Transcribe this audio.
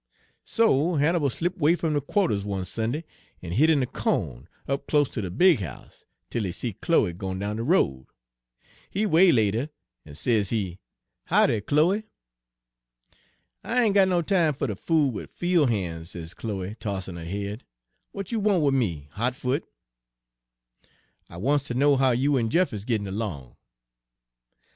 "So Hannibal slipped 'way fum de qua'ters one Sunday en hid in de co'n up close ter de big house, 'tel he see Chloe gwine down de road. He waylaid her, en sezee: " 'Hoddy, Chloe?' " 'I ain' got no time fer ter fool wid Page 214 fiel' han's,' sez Chloe, tossin' her head; 'w'at you want wid me, Hot Foot?' " 'I wants ter know how you en Jeff is gittin' 'long.'